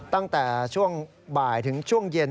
ตั้งแต่ช่วงบ่ายถึงช่วงเย็น